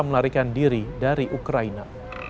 melarikan diri dari ukraina